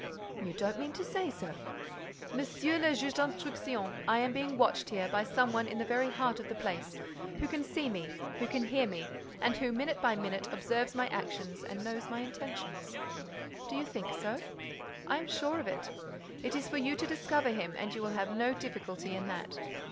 "You don't mean to say so!" "Monsieur le Juge d'Instruction, I am being watched here, by some one in the very heart of the place, who can see me, who can hear me and who, minute by minute, observes my actions and knows my intentions." "Do you think so?" "I am sure of it. It is for you to discover him and you will have no difficulty in that.